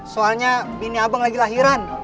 soalnya bini abang lagi lahiran